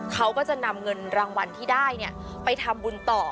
เขาก็จะนำเงินรางวัลที่ได้ไปทำบุญต่อ